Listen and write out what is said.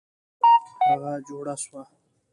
هغه جوړه سوه.